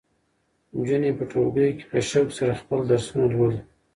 نجونې په ټولګیو کې په شوق سره خپل درسونه لولي.